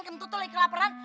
ketutul lagi kelaperan